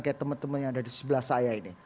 kayak temen temen yang ada di sebelah saya ini